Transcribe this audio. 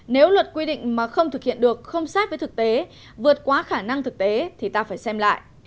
nếu luật quy định mà không thực hiện được không sát với thực tế vượt quá khả năng thực tế thì ta phải xem lại